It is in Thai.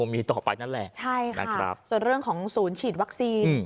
มีต่อไปนั่นแหละใช่ค่ะนะครับส่วนเรื่องของศูนย์ฉีดวัคซีน